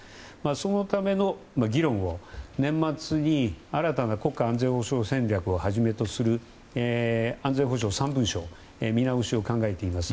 そのための議論を年末に新たな国家安全保障戦略をはじめとする安全保障の見直しを考えています。